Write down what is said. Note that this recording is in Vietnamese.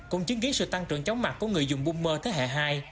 cũng chứng kiến sự tăng trưởng chống mặt của người dùng boomer thế hệ hai